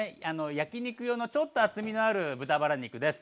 焼き肉用のちょっと厚みのある豚バラ肉です。